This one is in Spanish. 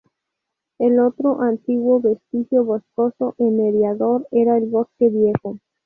El otro antiguo vestigio boscoso en Eriador era el Bosque Viejo.